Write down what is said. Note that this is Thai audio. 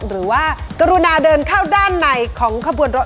หรือว่ากรุณาเดินเข้าด้านในของขบวนรถ